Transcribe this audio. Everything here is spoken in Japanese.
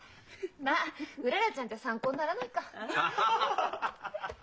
まあうららちゃんじゃ参考にならないか。